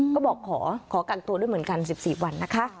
ก็บอกขอกันตัวด้วยเหมือนกัน๑๔วันนะคะ